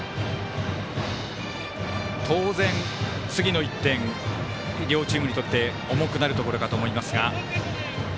当然、次の１点両チームにとって重くなるところかと思いますが。